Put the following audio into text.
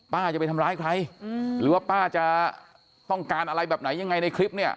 ป้าจะไปทำร้ายใครหรือว่าป้าจะต้องการอะไรแบบไหนยังไงในคลิปเนี่ย